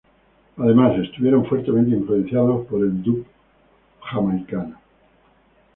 Además, estuvieron fuertemente influenciados por el dub jamaiquino.